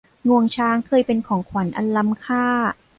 งวงช้างเคยเป็นของขวัญอันล้ำค่า